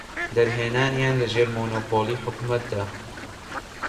دەرهێنانیان لە ژێر مۆنۆپۆلی حکومەتدا.